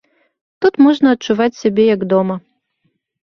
Тут можна адчуваць сябе як дома.